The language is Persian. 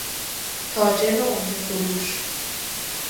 تاجر عمده فروش